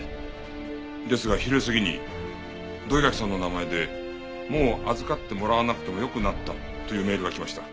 ですが昼過ぎに土居垣さんの名前でもう預かってもらわなくてもよくなったというメールが来ました。